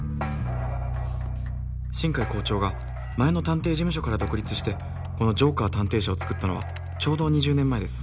新偕校長が前の探偵事務所から独立してこのジョーカー探偵社をつくったのはちょうど２０年前です